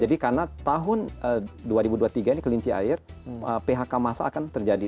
jadi tahun dua ribu dua puluh tiga ini kelinci air phk masa akan terjadi